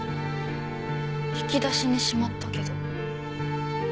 引き出しにしまったけど。